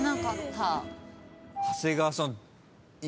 長谷川さん。